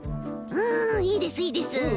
うんいいですいいです。